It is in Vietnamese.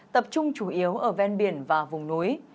tập trung chủ yếu ở ven biển và vùng núi